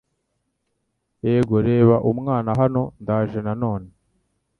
Yego reba umwana hano ndaje nanone)